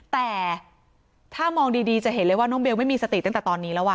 แต่ถ้ามองดีจะเห็นเลยว่าน้องเบลไม่มีสติตั้งแต่ตอนนี้แล้ว